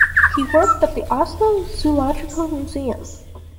He worked at the Oslo Zoological Museum.